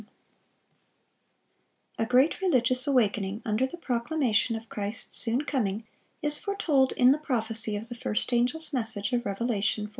] A great religious awakening under the proclamation of Christ's soon coming, is foretold in the prophecy of the first angel's message of Revelation 14.